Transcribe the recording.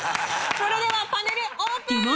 それではパネルオープン！